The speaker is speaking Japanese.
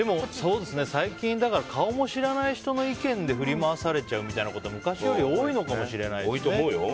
最近、顔も知らない人の意見で振り回されちゃうみたいなことが昔より多いのかもしれないですね。